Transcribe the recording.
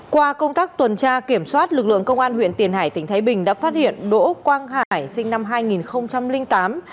qua công tác tuần tra kiểm soát lực lượng công an huyện tiền hải tỉnh thái bình đã phát hiện đỗ quang hải sinh năm hai nghìn tám